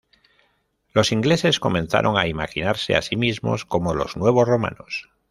los ingleses comenzaron a imaginarse a sí mismos como los nuevos romanos